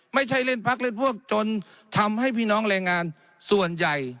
ไม่ใช่เล่นพักเล่นพวกจนทำให้พี่น้องแรงงานส่วนใหญ่